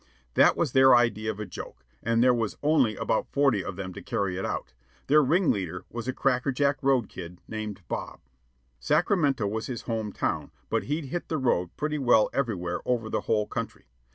That was their idea of a joke, and there were only about forty of them to carry it out. Their ring leader was a crackerjack road kid named Bob. Sacramento was his home town, but he'd hit The Road pretty well everywhere over the whole country.